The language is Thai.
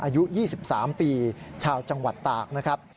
อายุ๒๓ปีชาวจังหวัดตากนะครับ